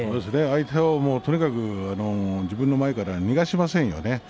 相手はとにかく自分の前から逃がしませんよね。